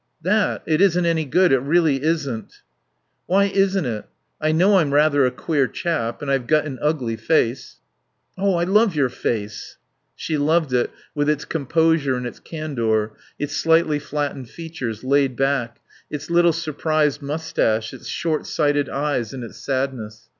"That. It isn't any good. It really isn't." "Why isn't it? I know I'm rather a queer chap. And I've got an ugly face " "I love your face...." She loved it, with its composure and its candour, its slightly flattened features, laid back; its little surprised moustache, its short sighted eyes and its sadness.